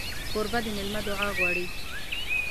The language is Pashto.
کوربه د مېلمه دعا غواړي.